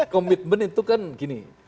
komitmen itu kan gini